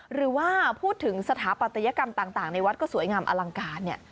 หรือว่าพูดถึงสถาปัตยกรรมต่างในวัดก็สวยงามอลังการเนี่ย